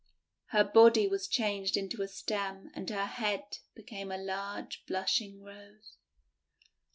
Her body was changed into a stem and her head became a large blushing Rose.